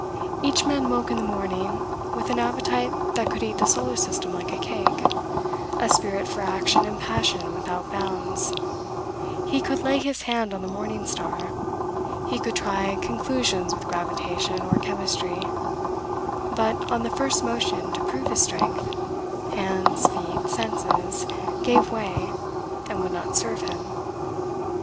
Each man woke in the morning, with an appetite that could eat the solar system like a cake; a spirit for action and passion without bounds; he could lay his hand on the morning star; he could try conclusions with gravitation or chemistry; but, on the first motion to prove his strength hands, feet, senses, gave way, and would not serve him.